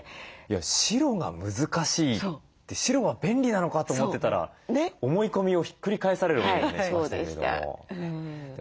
白が難しいって白は便利なのかと思ってたら思い込みをひっくり返される思いがしましたけども。